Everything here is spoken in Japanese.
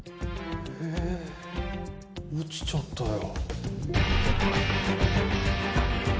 ええ落ちちゃったよ。